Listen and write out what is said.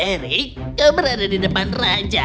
erik kau berada di depan raja